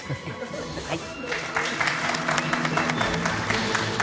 はい。